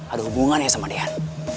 ada hubungannya sama dean